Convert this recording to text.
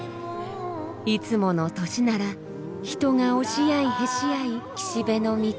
いつもの年なら人が押し合いへし合い岸辺の道。